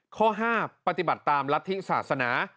ข้อ๕ปฏิบัติตามรัฐธิศาสนา